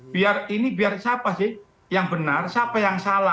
biar ini biar siapa sih yang benar siapa yang salah